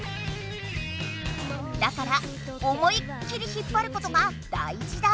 だから思いっ切り引っぱることがだいじだ。